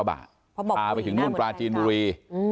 พาไปถึงกราชจีนบุรี